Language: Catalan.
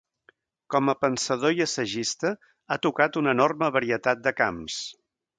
Com a pensador i assagista, ha tocat una enorme varietat de camps.